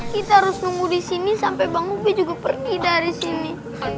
kita harus nunggu disini sampai bang ube juga pergi dari sini